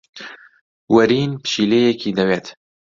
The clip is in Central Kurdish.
وەرین پشیلەیەکی دەوێت.